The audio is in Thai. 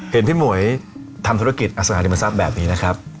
เห็นพี่หม่วยทำธุรกิจอสมัยธรรมศาสตร์แบบนี้นะครับ